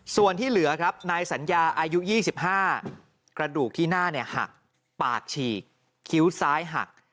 ส่วนที่เหลือครับนายสัญญาอายุ๒๕กระดูกที่หน้าหักปากฉีกคิ้วซ้ายหัก